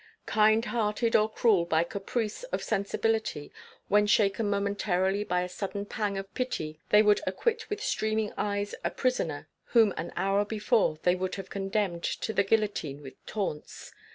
Kind hearted or cruel by caprice of sensibility, when shaken momentarily by a sudden pang of pity, they would acquit with streaming eyes a prisoner whom an hour before they would have condemned to the guillotine with taunts.